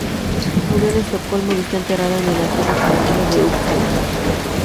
Murió en Estocolmo, y está enterrado en el Antiguo Cementerio de Uppsala.